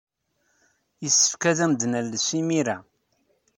Yessefk ad am-d-nales imir-a.